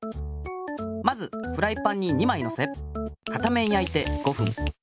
まずフライパンに２まいのせ片面やいて５ふん。